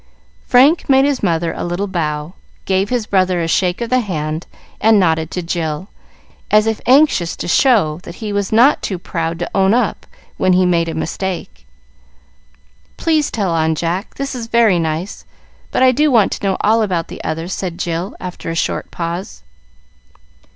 Frank made his mother a little bow, gave his brother a shake of the hand, and nodded to Jill, as if anxious to show that he was not too proud to own up when he made a mistake. "Please tell on, Jack. This is very nice, but I do want to know all about the other," said Jill, after a short pause.